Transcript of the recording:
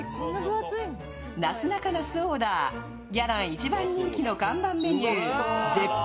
なすなか、那須オーダーギャラン一番人気の看板メニュー、絶品！